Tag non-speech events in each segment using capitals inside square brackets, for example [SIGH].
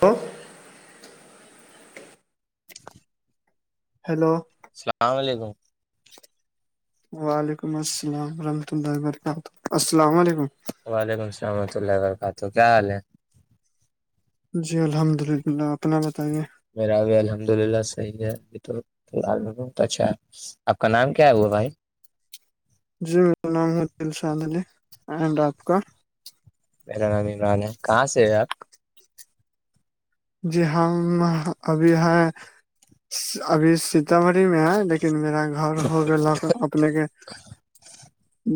وہ ہیلو السلام لیکم وعلیکم السلام ورحمۃ اللہ وبرکاتہ السلام علیکم وعلیکم السلحمۃ اللہ وبرکاتہ کیا حال ہے جی الحمد للہ اپنا بتائیے میرا ابھی الحمد للہ صحیح ہے ا تو فی الحال میں پچھا آپ کا نام کیا ہوا بھائی جی میرا نام ہے دلشاد علی اینڈ آپ کا میر ن نہیں نان ہے کہاں سے ہے آپ جی ہم ابھی ہے ابھی سیتامڑھی میں ہے لیک لیکن میرا گھر ہوگک اپنے کے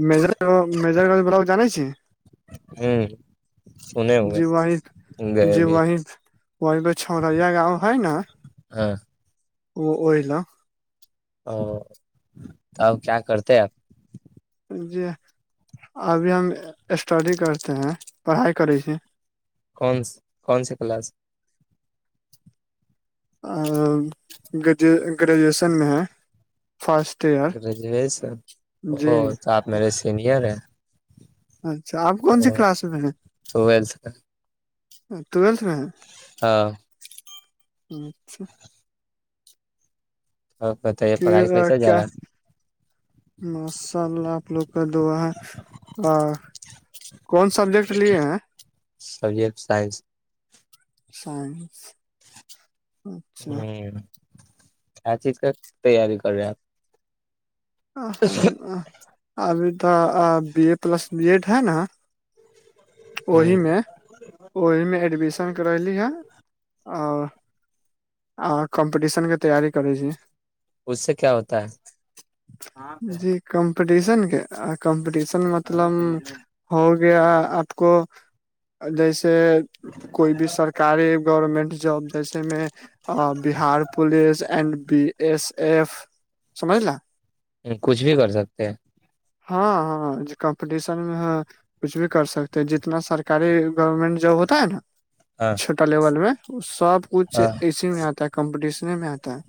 مر مزر گج بلاک جانی چ ہوں سنے ہوئے جی وحد گئے جی بھی ہے۔ وحد وہ چھوریا گاؤں ہے نا ہاں وہ ا ل او تو کیا کرتے آپ جی ابھی ہم اسٹڈی کرتے ہیں پڑھائی کری سے کون کون سی کلاس گو گریجویشن میں ہے فسٹ گریجویشن ا تو آپ میرے سینئر ہیں اچھا آپ کون سی اور کلاس میں ہیں ٹویلتھ کا۔ ٹل میں ہیں ہاں اچھا ا بتائی یہ پڑھائی کیس پھر ج کیا رہا ہے ماشاء اللہ آپ لوگ کا دعا ہے اور کون سبجیکٹ لیے ہیں سبجیکٹ سائنس س ہ ہ چیز ک تیاری کرےپ ابھی تو B A plus B Ed ہے نا وہہ ہوں میں وہہ میں ایڈمیشن کرلی ہاں اور ہ کمپٹیشن کے تیاری کری اس سے کیا ہوتا ہے جی کمپٹیشن کے کمپٹیشن مطلب ہو گیا آپ کو جیسے کوئی بھی سرک سر کاری گورنمنٹ جاب جیسے میں ا Bihar police and B S F سمج لا کچھ بھی کر سکتے ہیں ہاں ہاں جو کمپٹیشن میں کچھ بھی کر سکتے ہیں جتنا سرکاری گورنمنٹ جو ہوتا ہے نا ہاں چھوٹا لیول میں سب کچھ ہاں اسی میں آتا ہے کمپٹیشن میں آتا ہے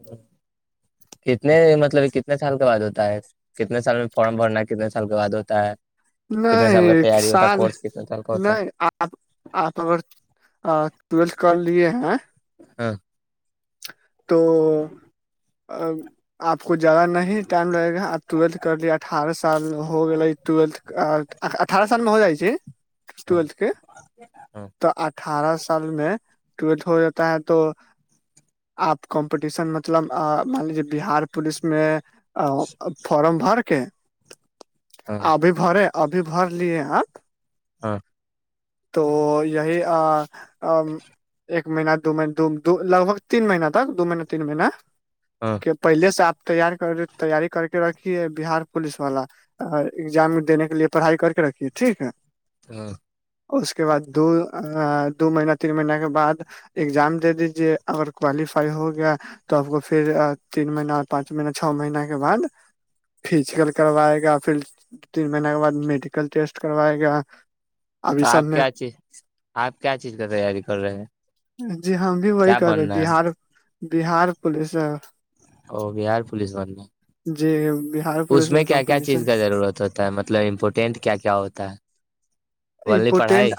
[UNINTELLIGIBLE] کتنے مطلب کتنے سال کے بعد ہوتا ہے کتنے سال میں فارم بھرنا ہے کتنے سال کے بعد ہوتا ہے کتنے سال کا نہیں تیاری ہوتا ہے سال کورس کتنے سال کا ہوتا نہیں ہے آپ آپ اگر ٹویلتھ کر لیے ہیں ہاں تو ا آپ کو زیادہ نہیں ٹائم لگے گا آپ ٹویلتھ کر لے اٹھارہ سال ہوگے ٹویلتھ اٹھارہ سال میں ہو جائے ہاں ٹویلتھ کے ہاں تو اٹھارہ سال میں ٹلھ ہو جاتا ہے تو آپ کمپٹیشن مطلب مان لیجیے بہار پولیس میں فارم بھر کے ہاں ابھی بھرے ابھی بھر لیے آپ ہاں تو یہی ایک مہینہ دو مہین دو لگ بگ تین مہین تک دو مہینہ تین مہینہ ہاں کہ پہلے سے آپ تیار کر تیاری کر کے رکھیے بہار پولیس والا اگزام دینے کے لیے پڑھائی کر کے رکھیے ٹھیک ہے ہاں اس کے بعد دو دو مہین تین مہین کے بعد اگزام دے دیجے اگر کوالیفائی ہو گیا تو آپ کو پھر تین مہین پانچ مہینہ چھ مہین کے بعد فزیکل کروائے گا پھر دو تین مہین کے بعد میڈیکل ٹیسٹ کروائے گا تو ابھی سب آپ میں کیا چیز آپ کیا چیز کا تیاری کر رہے ہیں جی ہم بھی وہی کیا کر رہے بننا ہے بار بہار پولیس ا بہار پولیس وال نے جی بہار اس پولیس میں کیا کیا کمپٹیشن چیز کا ضرورت ہوتا ہے مطلب امپورٹینٹ کیا کیا ہوتا ہے اونلی امپورٹینٹ پڑھائی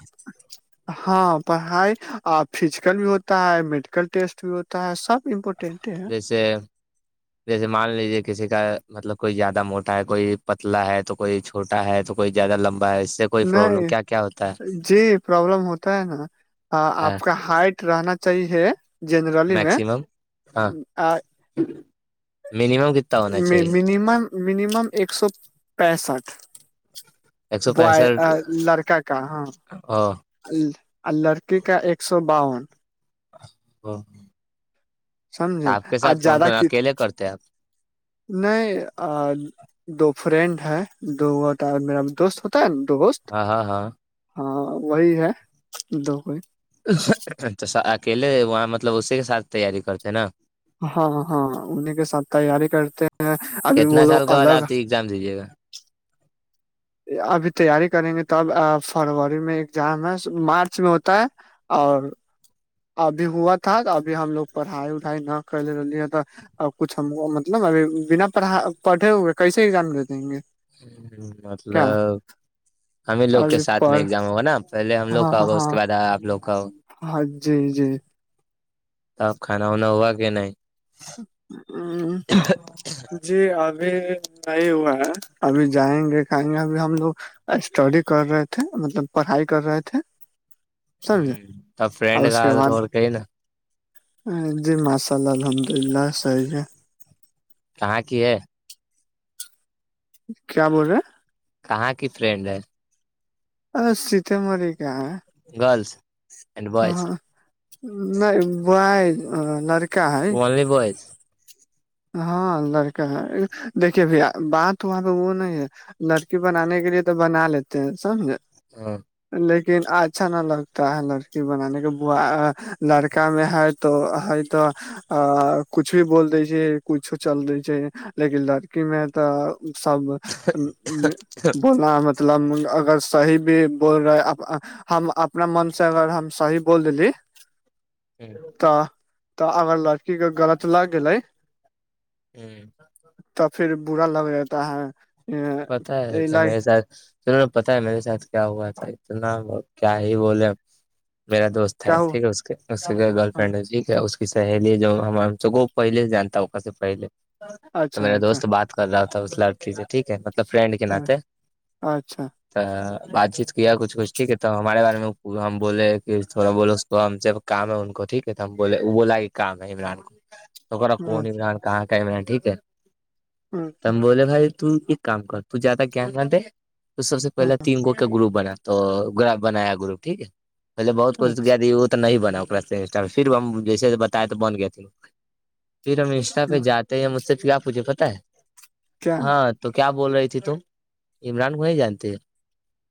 ہاں پڑھائی اور فزیکل بھی ہوتا ہے میڈیکل ٹیسٹ بھی ہوتا ہے سب امپورٹینٹ ہے جے جیسے مان لیجیے کسی کا مطلب کوئی زیادہ موٹا ہے کوئی پتلا ہے تو کوئی چھوا ہے تو کوئی زیادہ لمبا ہے اس سے کوئی پرابلم نہیں کیا کیا ہوتا جی پرابلم ہوتا ہے نا ہے آپ کا ہائٹ رہنا صحیح ہے جنرلی میں مینمم کتنے مم مینمم ایک سو پینسٹھ ایک سو بوائے پینسٹھ لڑکا کا ہاں او لڑکی کا ایک سو باون ہاں سمجھے آج کون زیادہ کون کی ت اکیلے کرتے ہیں آپ نہیں دو فرینڈ ہے دوتا میرا دوست ہوتا ہے نا دو گست ہاں ہاں ہاں ہاں وہی ہے دو کوئی چ اکیلے وہاں مطلب اسی کے ساتھ تیاری کرتے ہیں نا ہاں ہاں انہیں کے ساتھ تیاری کرتے ہیں ابھی وہ لوگ الگ جام دیجیے گا ابھی تیاری کریں گے توب فروری میں ایگزام ہے مارچ میں ہوتا ہے اور ابھی ہوا تھا ابھی ہم لوگ پڑھائی وڑھائی نہ کرلی ہیں ت اور کچھ ہم کو مطلب ا بنا پڑھا پڑھے ہوئے کیسے ایگزام دے دیں گے ہ کیا مطلب ہم ہی لوگ کے ابھی سھ میں پر ایگزام ہوا پہلے ہم لوگ ہاں کا ہوگا اس کے ہاں بعد آ لوگ کا ہوگا ہاں جی جی جی اب کانا وانا ہوا کہ نہیں ہ [UNINTELLIGIBLE] جی ابھی نہیں ہوا ہے ابھی جائیں گے کھائیں گے ابھی ہم لوگ اسٹڈی کر رہے تھے مطلب پڑھائی کر رہے تھے ہ سمجھے تو فرینڈ اور گ اس کے کو بعد کہی نا جی ماشاء اللہ الحمد اللہ صحیح ہے کہاں کی ہے کیا بول رہے ہیں کہاں کی ٹرینڈ ہے ا سیتےماری کا گرلس اینڈ بوائز ہاںاں نہیں ب ہے لاری اونلی بوائز ہاں لڑکا ہے دیکھیے ب بات ہواں پہ وہ نہیں ہے لڑکی بنانے کے لیے تو بنا لیتے ہیں سمجھ ہاں [UNINTELLIGIBLE] لیکن اچھا نہ لگتا ہے لڑکی بنانے کے ب لڑکا میں ہر تو ہ تو کچھ بھی بول دیج کچھ چل رہی چ لیکن لڑکی میں ت سب بولنا مطلب اگر صحیح بھی بول رہے ہم اپنا من سے اگر ہم سحی بول دلیے تو ت اگر لڑکی کے غلط لگ گے ا [UNINTELLIGIBLE] توب پھر برا لگ رہتا ہے پتا ہے کہ میرے ساتھ تہوں نے پتا ہے میرے ساتھ کیا ہوا تھا اتنا کیا ہی بولے میرا دوست ہے ٹھیک ہے اس کے اس سے گرل فرینڈ ہے جٹیک ہے اس کی سہیلی جو ہم پہل سے جانتا ہے ا سے پہلے تو میرا دوست بات کر رہا ہو تھا اس لڑی سے ٹھیک ہے فرینڈ کے ناتے تو بات چیت کیا کچھ کچھ ٹھیک ہے تو ہمارے بارے میں ہم بولے کہ تھوڑا بولو وہ ہم جب کام ہے ان کو ٹھیک ہے تو ہم ب بولا کہ کام ہے عمران [INAUDIBLE] [INAUDIBLE] توا کون عمران کہاں کا عمران ٹھیک ہے ت ہم بولے بھائی تو کام کر تو زیادہ جان نہ دے تو سب سے پہلے تین گو کا گروپ بنا تو گرپ بنایا گروپ ٹھیک ہے پہلے بہت کچھ کیا ت نہیں بنا انسٹا پھر ہم جیسے بتاائے تو بن گئے تھ پھر ہم انسٹا پہ جاتے تو مجھ سے پ کیا آ پوچھے پت ہے کیا ہاں تو کیا بول رہی تھی تم عمران وہیں جانتے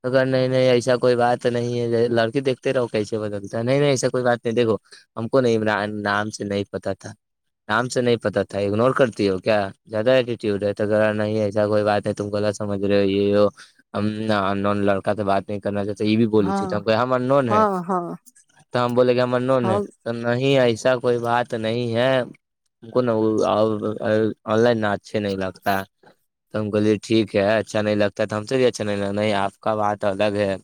اگر نہیں نہیں ایسا کوئی بات نہیں ہے لڑکی دیکتے رہو کیسے بدلتا ہے نہیں نہیں ایسا کوئی بات نہیں دیکھو ہم کو نہیںمران نام سے نہیں پتا تھا آام سے نہیں پتا تھا اگنور کرتی ہو کیا زیادہ ایٹیٹیوڈ ہے تو ذرا نہیں ہے ایسا کوئی بات ہے تم کو سمجھ رہے ہو یہ ن لڑکا تو بات نہیں کرنا چاہتے یہ بھی بولی ہاں چ ہم ہم نون ہے ہاں ہاں تو ہم بولےیں گے ہم نون ہے ہاں تو نہیں ایسا کوئی بات نہیں ہے ان کو نا آن لائن اچھے نہیں لگتا ہے تو ہم کہے ٹھیک ہے اچھا نہیں لگتا ہے تو ہم سے بھیے اچھا نہیں لگتا نہیں آپ کا بات الگ ہے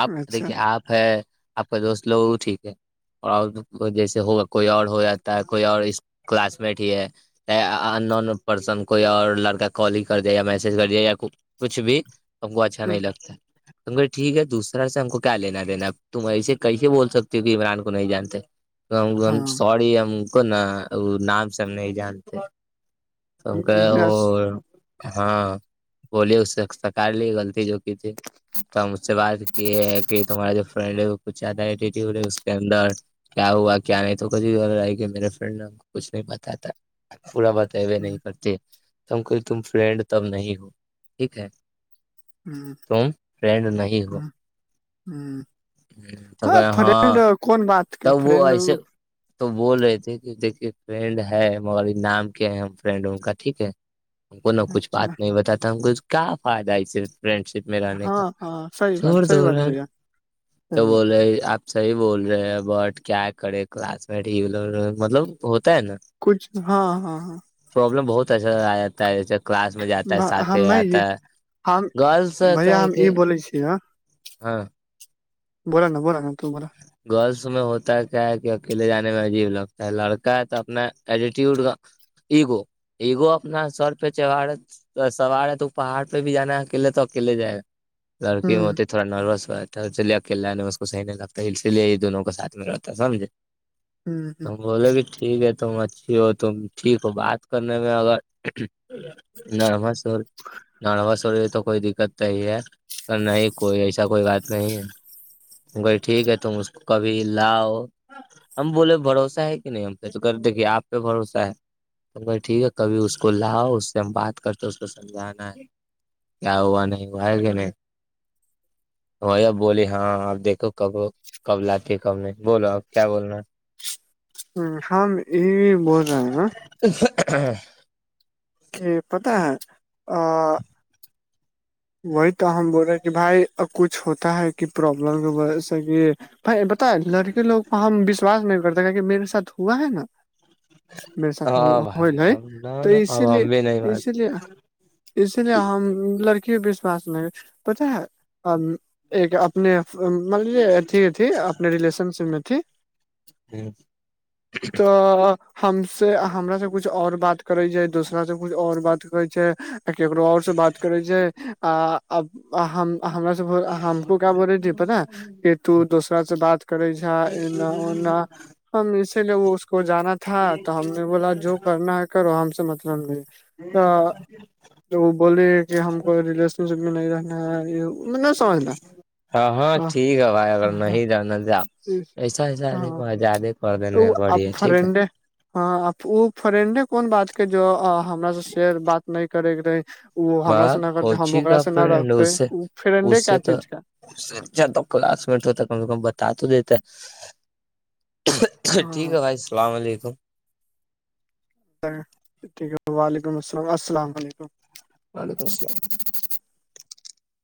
آپ اچھا دیکھیے آپ ہے آپ کا دوست لوگوں ٹھیک ہے اور جیسے ہوگا کوئی اور ہو جاتا ہے کوئی اور کلاس بیٹھی ہے نون پرسن کوئی اور لڑکی کال ہی کر دیا یا میسج کر دیا یا کچھ بھی ہم کو اچھا ہوں، نہیں لگتا ہمے ٹھیک ہے دوسرا سے ہم کو کیا لینا دینا تم ایے کیسے بول سکتے ہو کہ عمران کو نہیں جانتے ہم ہاں سوری ہم کو نا نام سے ہم نہیں جانتے کا بھیا اور ہوں، ہاں بولے اس سے سکار لی غلطی جو تھی تو ہم اس سے بات کی ہے کہ تمہارا جو فرینڈ ہے کچھ ذیادہ ہی اٹیٹی ٹویڈ ہے اس کے اندر کیا ہوا کیا نہیں تو کچھ کہ میرے فرینڈ نے ہم کو کچھ نہیں بتاتا پورا بتاوے نہیں کرتی تو ہم کہے تم فرینڈ تو اب نہیں ہو ٹھیک ہے ہوں، تم فرینڈ نہیں ہو ہوں، ہوں۔ ہاں فرینڈ کون بات کی تب وہ فرینڈ ایسے تو بول رہے تھے کہ دیکھیے فرینڈ ہے ہماری نام کیا ہے ہم فرینڈ ان کا ٹھیک ہے ہم کو نہ کچھ اچھا بات نہیں بتاتا ہم کو کیا فائدہ اسے فرینڈ شپ میرے کا ہاں ہاں صحیح چھوڑ بات دے صحیح بات رہے بھیا تو صحیح بات بول رہے آپ صحی بول رہے ہیں بٹ کیا کھڑے کلاس بیٹھی ہہے مطلب ہوتا ہے نا کچھ ہاں ہاں ہاں پروابلم بہت اچھا آ جاتا ہے کلاس میں جاتا ہے بھا- ساتھ ہم میں آتا یہ ہے ہم گرلس آتا بھیا ہے ہم کہ یہ بولے چھی ہاں ہاں بولا نا بولا نا تو بولا گرلس میں ہوتا ہے کیا ہے کہ اکیلے جانے میں عجیب لگتا ہے لڑکا ہے تو اپنا ایٹیٹیوڈ کا ایگو ایگو اپنا سر پے چڑھا سوار ہے تو پہاڑ پے بھی جانا ہے اکیلے تو اکیلے جائے ہ لڑکی ہوتی تھوڑا نروس ہوا ہے تھا تو اکیلا انے اس کو صحی نہیں لگتا تو اس سے لیے یہ دونوں کو ساتھ میں رہتا سمجھے ہ تو ہم بولے بھی ٹھیک ہے تم اچھی ہو تم ٹھیک ہو بات کرنے میں اگر نروس تو نروس ہو رہی تو کوئی دقت صحی ہے اور نہیں کوئی ایسا کوئی بات نہیں ہے وہی ٹھیک ہے تم اس کبھی لاؤ ہم بولے بھروسہ ہے کہ نہیں ہم پہ تو کہہ رہے تھے آپ پے بھروسہ ہے تو بھائی ٹھیک ہے کبھی اس کو لاؤ اس سے ہم بات کرتے اس کو سمجھانا ہے کیا ہوا نہیں ہوا ہے کہ نہیں وہی اب بولی ہاں آپ دیکھو کب کب لاتی ہے کب نہیں بولو اب کیا بولنا ہے ہم یہ بول رہے ہیں [INAUDIBLE] کہ پتآ ہے آ وہی تو ہم بول رہے کہ بھائی کچھ ہوتا ہے کہ پرابلم کی وجہ سے کہ بھائی بتا لڑکے لوگ کو ہم وشواس نہیں کرتے کہ کہ میرے ساتھ ہوا ہے نا میرے ساتھ ہاں بھائی اب نہ تو نا اسی اب لیے ہم بھی نہیں اسی بات لیے اسی لیے ہم لڑکی وشواس نہیں پتا ہے ایک اپنے تھی اپنے ریلیشن شپ میں تھی تو ہم سے ہمرے سے کچھ اور بات کر رہی ہے دوسرا سے کچھ اور بات کر رہی ہے کیکروں اور سے بات کرے اب سے ہمرا سے ہم کو کیا بول رہے تھی پتا کہ تو دوسرا سے بات کرے ہے نا ہم اسی لیے اس کو جانا تھا تو ہم نے بولا جو کرنا ہے کرو ہم سے مطلب نہیں تو وہ بولے کہ ہم کو ریلیشن شپ میں نہیں رہنا ہے یہ نہ سمجھنا ہاں ہاں ٹھیک ہے بھائی اگر نہیں جانا ایسا ایسا نہیں کر تو دینے آ بڑھیا ٹھیک ہے فرڈن ہاں وہ فرینڈ کون بات کے جو ہمر سا شئر بات نہیں کرے کے رہے ج وہ ہم کوچی کا فرینڈ اس سے اس سے تو سچھا تو کلاس منٹ ہوتا کم سے کم بتا تو دیتا ٹھیک ہے بھائی السلام علیکم ٹھیک ہے وعلیکم السلام السلام علیکم وعلیکم السلام